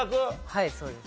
はいそうです。